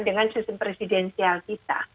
dengan sistem presidensial kita